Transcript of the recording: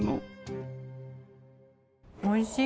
おいしい！